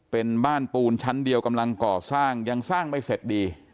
เป็นบ้านปูนชั้นเดียวกำลังก่อสร้างยังสร้างไม่เสร็จดี